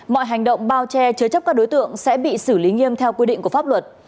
mọi hành động bao che chứa chấp các đối tượng sẽ bị xử lý nghiêm theo quy định của pháp luật